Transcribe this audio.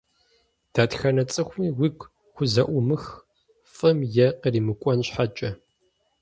Дэтхэнэ цӀыхуми уигу хузэӀуумых, фӀым е къримыкӀуэн щхьэкӀэ.